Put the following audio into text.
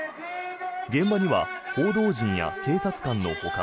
現場には報道陣や警察官のほか。